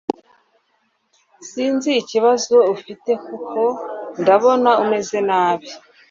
Sinzi ikibazo ufite kuko ndabona umeze nabi